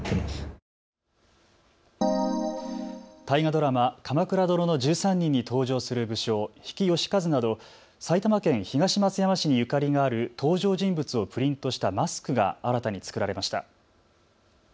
大河ドラマ、鎌倉殿の１３人に登場する武将、比企能員など埼玉県東松山市にゆかりのある登場人物をプリントしたマスクが新たに作られました。